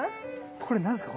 これ何すか？